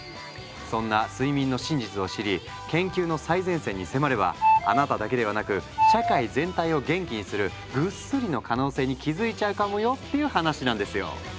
そんな睡眠の真実を知り研究の最前線に迫ればあなただけではなく社会全体を元気にするグッスリの可能性に気付いちゃうかもよっていう話なんですよ。